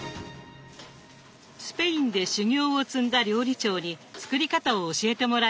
スペインで修業を積んだ料理長に作り方を教えてもらいました。